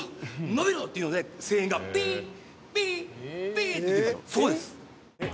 伸びろ！っていうので声援が「ピッピッピッ」って言ってるそこです。